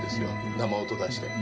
生音出して。